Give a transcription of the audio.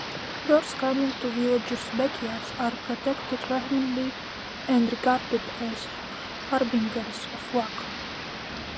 Birds coming to villagers' backyards are protected vehemently and regarded as harbingers of luck.